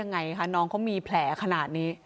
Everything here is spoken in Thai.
น้องก็มีแผลขนาดนี้